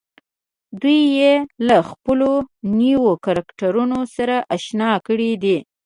دوی يې له خپلو نويو کرکټرونو سره اشنا کړي دي.